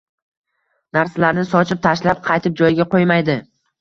narsalarini sochib tashlab, qaytib joyiga qo‘ymaydi